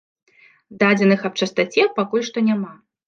Дадзеных аб частаце пакуль што няма.